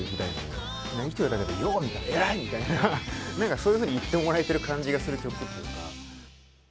そういうふうに言ってもらえる感じがする曲というか。